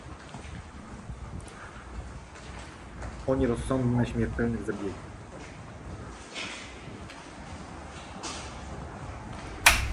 "O nierozsądne śmiertelnych zabiegi!"